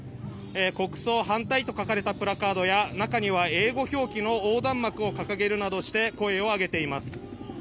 国葬反対と書かれたプラカードや中には英語表記の横断幕を掲げるなどして声を上げています。